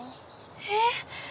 えっ！